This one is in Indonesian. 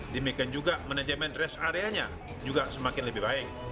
demikian juga manajemen dress area nya juga semakin lebih baik